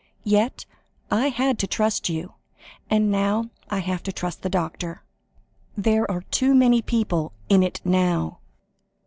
Yet I had to trust you, and now I have to trust the doctor. There are too many people in it now."